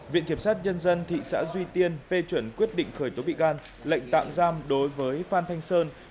viện kiểm sát nhân dân thị xã duy tiên phê chuẩn quyết định khởi tố bị gan lệnh tạm giam đối với phan thanh sơn